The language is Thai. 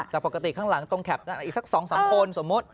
แต่ปกติข้างหลังตรงแคปนั้นอีกสัก๒๓คนสมมุติ